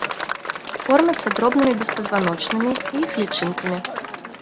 Кормяцца дробнымі беспазваночнымі і іх лічынкамі.